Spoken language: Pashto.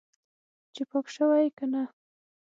چې پاک شوی که نه.